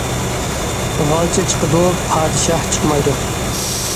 غالچا چىقىدۇ، پادىشاھ چىقمايدۇ.